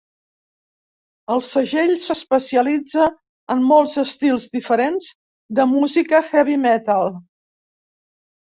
El segell s'especialitza en molts estils diferents de música heavy-metal.